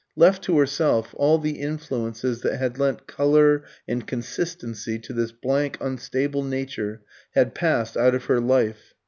Left to herself, all the influences that had lent colour and consistency to this blank, unstable nature, had passed out of her life.